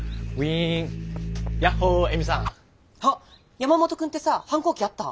山本くんってさ反抗期あった？